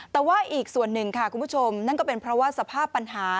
แต่ว่าอีกส่วนหนึ่งค่ะคุณผู้ชมนั่นก็เป็นเพราะว่าสภาพปัญหา